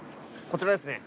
こちらですね。